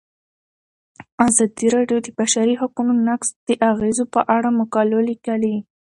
ازادي راډیو د د بشري حقونو نقض د اغیزو په اړه مقالو لیکلي.